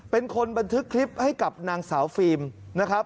เป็นคนบันทึกคลิปให้กับนางสาวฟิล์มนะครับ